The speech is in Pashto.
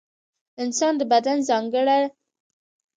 انسان د بدن ځانګړنه لري چې کار ترې واخیستل شي وده کوي.